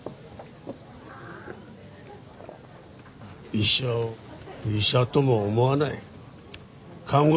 医者を医者とも思わない看護師が増えたよ。